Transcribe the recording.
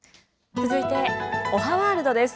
続いて、おはワールドです。